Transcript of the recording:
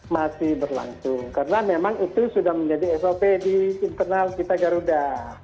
masih berlangsung karena memang itu sudah menjadi sop di internal kita garuda